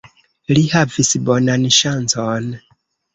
Li havis bonan ŝancon.